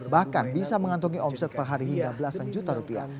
bahkan bisa mengantongi omset per hari hingga belasan juta rupiah